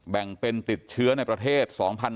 แบ่งเป็นติดเชื้อในประเทศ๒๕๕๙